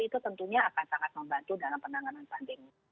itu tentunya akan sangat membantu dalam penanganan pandemi